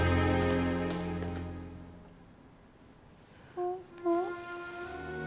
パパ？